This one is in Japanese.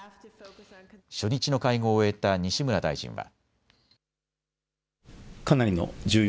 初日の会合を終えた西村大臣は。